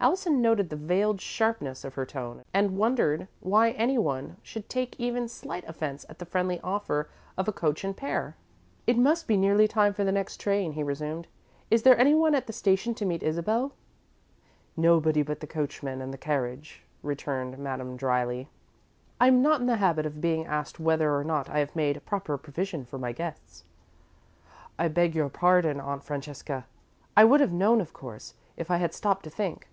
Allison noted the veiled sharpness of her tone and wondered why anyone should take even slight offence at the friendly offer of a coach and pair. "It must be nearly time for the next train," he resumed. "Is there anyone at the station to meet Isabel?" "Nobody but the coachman and the carriage," returned Madame, dryly. "I'm not in the habit of being asked whether or not I have made proper provision for my guests." "I beg your pardon, Aunt Francesca. I would have known, of course, if I had stopped to think."